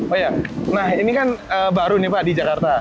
oh iya nah ini kan baru nih pak di jakarta